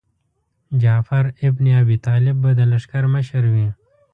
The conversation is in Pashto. جعفر ابن ابي طالب به د لښکر مشر وي.